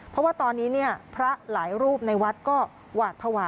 เพราะว่าตอนนี้พระหลายรูปในวัดก็หวาดภาวะ